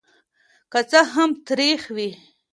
که څه هم تریخ وي.